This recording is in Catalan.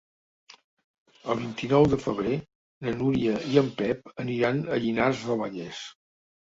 El vint-i-nou de febrer na Núria i en Pep aniran a Llinars del Vallès.